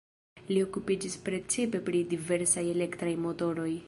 Li okupiĝis precipe pri diversaj elektraj motoroj.